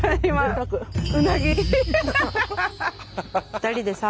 ２人でさ